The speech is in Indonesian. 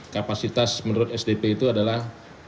kapasitas menurut sdp itu adalah lima ratus enam puluh satu